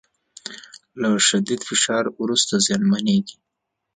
له شدید فشار وروسته زیانمنېږي